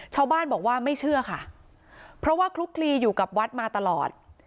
ชาวบ้านบอกว่าไม่เชื่อค่ะเพราะว่าคลุกคลีอยู่กับวัดมาตลอด